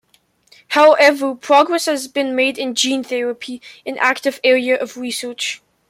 However, progress has been made in gene therapy, an active area of research.